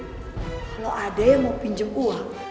kalau ada yang mau pinjam uang